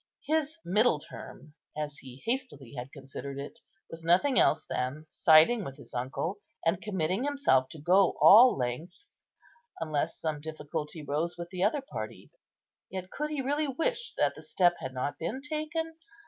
His middle term, as he hastily had considered it, was nothing else than siding with his uncle, and committing himself to go all lengths, unless some difficulty rose with the other party. Yet could he really wish that the step had not been taken?